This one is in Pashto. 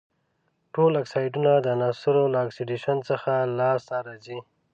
ټول اکسایدونه د عناصرو له اکسیدیشن څخه لاس ته راځي.